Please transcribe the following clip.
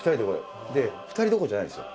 で２人どころじゃないんですよ。